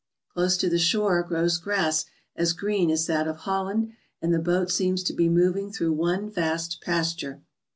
Close to the shore grows grass as green as that of Holland, and the boat seems to be moving through one vast pasture.